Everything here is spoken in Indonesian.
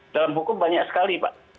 dalam hukum banyak sekali pak